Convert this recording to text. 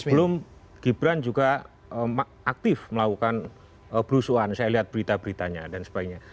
sebelum gibran juga aktif melakukan berusuhan saya lihat berita beritanya dan sebagainya